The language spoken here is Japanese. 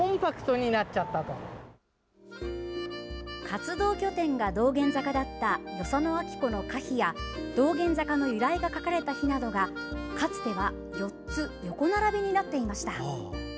活動拠点が道玄坂だった与謝野晶子の歌碑や道玄坂の由来が書かれた碑などがかつては４つ横並びになっていました。